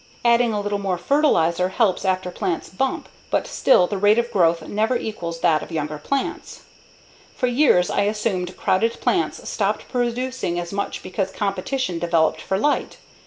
Adding a little more fertilizer helps after plants "bump," but still the rate of growth never equals that of younger plants. For years I assumed crowded plants stopped producing as much because competition developed for light.